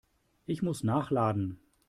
Ich muss nachladen.